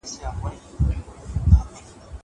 دا موسيقي له هغه خوږه ده!!